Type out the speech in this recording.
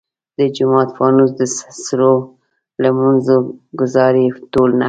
د جومات فانوس د سرو لمونځ ګزار ئې ټول نهر !